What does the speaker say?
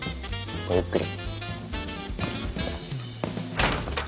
ごゆっくり。